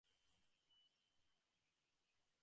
এশিয়ার বাণী চিরদিনই ধর্মের বাণী, আর ইউরোপের বাণী রাজনীতির।